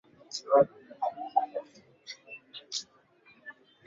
Mbona mola uniondoe